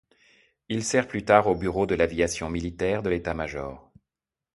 Il sert plus tard au bureau de l'aviation militaire de l'État-major.